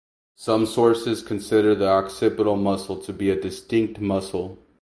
Some sources consider the occipital muscle to be a distinct muscle.